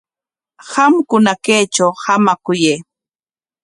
Qamkuna kaytraw hamakuyay.